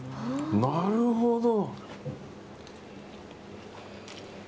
なるほど！